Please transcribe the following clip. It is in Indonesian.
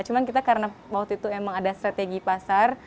cuma kita karena waktu itu emang ada strategi pasar